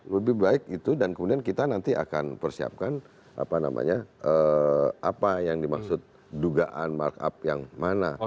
lebih baik gitu dan kemudian kita nanti akan persiapkan apa namanya apa yang dimaksud dugaan mark up yang mana